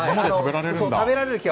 食べられるんだ。